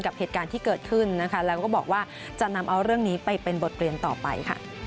กับเหตุการณ์ที่เกิดขึ้นนะคะแล้วก็บอกว่าจะนำเอาเรื่องนี้ไปเป็นบทเรียนต่อไปค่ะ